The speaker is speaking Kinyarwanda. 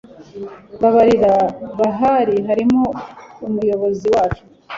Mubari bahari harimo umuyobozi wacu